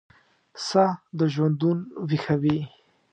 ساه دژوندون ویښوي